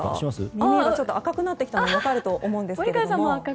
耳が赤くなってきたの分かると思うんですけど。